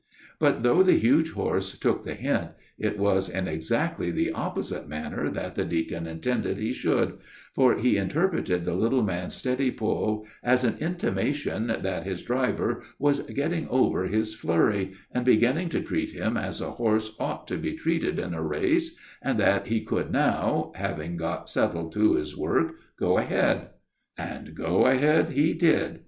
But though the huge horse took the hint, it was exactly in the opposite manner that the deacon intended he should, for he interpreted the little man's steady pull as an intimation that his inexperienced driver was getting over his flurry and beginning to treat him as a big horse ought to be treated in a race, and that he could now, having got settled to his work, go ahead. And go ahead he did.